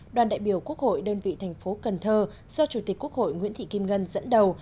đoàn đại biểu quốc hội đơn vị thành phố cần thơ do chủ tịch quốc hội nguyễn thị kim ngân dẫn đầu